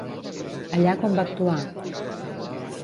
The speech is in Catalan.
Allà com va actuar?